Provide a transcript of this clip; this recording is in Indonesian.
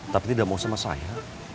tapi tidak mau sama saya